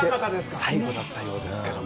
最後だったようですけども。